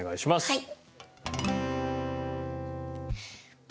はい。